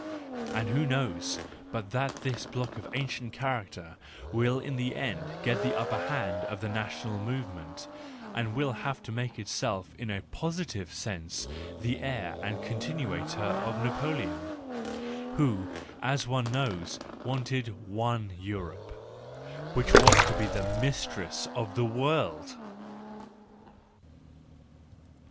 And who knows but that this block of ancient character will in the end get the upper hand of the national movement, and will have to make itself in a positive sense the heir and continuator of Napoleon:—who, as one knows, wanted one Europe, which was to be mistress of the world